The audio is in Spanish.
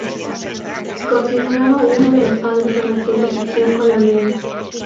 Considerado uno de los padres de la ciencia ficción colombiana.